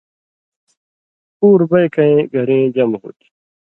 پُور بَیکَیں گھرِیں جمع ہُو تھی